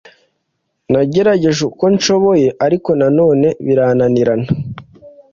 Nagerageje uko nshoboye, ariko nanone birananirana.